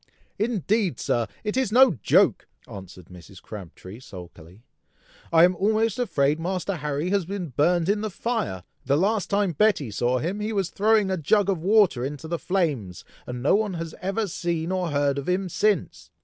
"Indeed, Sir! it is no joke," answered Mrs. Crabtree, sulkily; "I am almost afraid Master Harry has been burned in the fire! The last time Betty saw him, he was throwing a jug of water into the flames, and no one has ever seen or heard of him since!